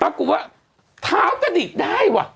ปรากฏว่าเท้ากระดิกได้วะ